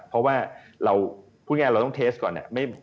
เพราะว่าเราพูดง่ายเราต้องเทสก่อน